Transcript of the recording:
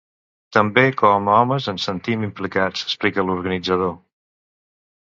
També com a homes ens sentim implicats, explica l'organitzador.